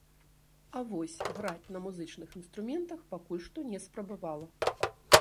А вось граць на музычных інструментах пакуль што не спрабавала.